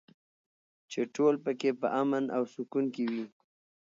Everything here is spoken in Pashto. چې ټول پکې په امن او سکون کې وي.